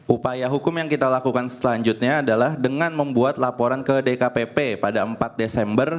upaya hukum yang kita lakukan selanjutnya adalah dengan membuat laporan ke dkpp pada empat desember